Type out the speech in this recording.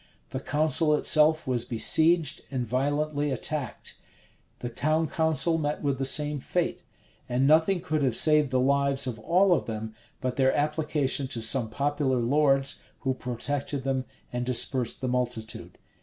The council itself was besieged and violently attacked: the town council met with the same fate: and nothing could have saved the lives of all of them, but their application to some popular lords, who protected them, and dispersed the multitude.